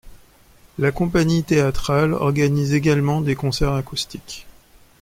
La compagnie théâtrale organise également des concerts acoustiques.